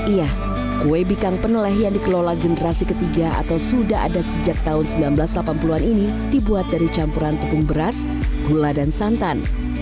iya kue bikang penoleh yang dikelola generasi ketiga atau sudah ada sejak tahun seribu sembilan ratus delapan puluh an ini dibuat dari campuran tepung beras gula dan santan